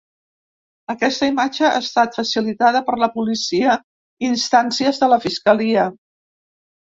Aquesta imatge ha estat facilitada per la policia instàncies de la fiscalia.